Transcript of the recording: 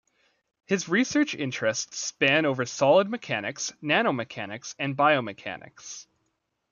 His research interests span over Solid Mechanics, Nanomechanics and Biomechanics.